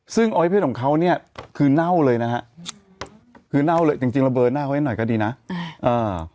ซึ่งออยเพศของเขาเนี่ยคือเน่าเลยนะฮะคือเน่าเลยจริงจริงระเบิดหน้าไว้หน่อยก็ดีนะอ่า